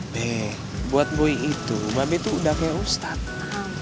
beh buat boy itu mba be tuh udah kayak ustadz